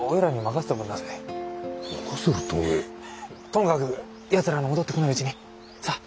ともかく奴らの戻ってこないうちにさあ！